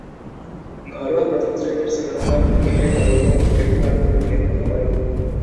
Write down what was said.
ঘরোয়া প্রথম-শ্রেণীর শ্রীলঙ্কান ক্রিকেটে কলম্বো ক্রিকেট ক্লাবের প্রতিনিধিত্ব করেন।